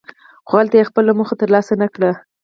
خو هلته یې خپله موخه ترلاسه نکړه.